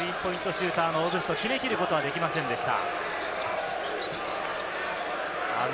シューターのオブスト、決め切ることはできませんでした。